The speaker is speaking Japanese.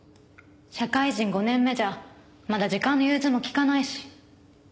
社会人５年目じゃまだ時間の融通も利かないし。